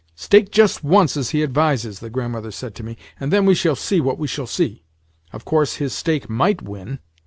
"Stake just once, as he advises," the Grandmother said to me, "and then we shall see what we shall see. Of course, his stake might win."